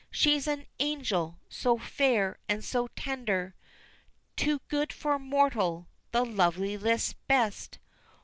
_She is an angel! so fair, and so tender! Too good for mortal the loveliest, best!